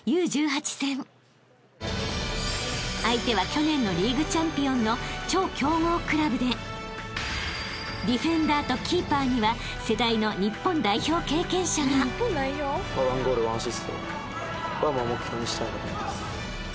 ［相手は去年のリーグチャンピオンの超強豪クラブでディフェンダーとキーパーには世代の日本代表経験者が］目標にしたいなと思います。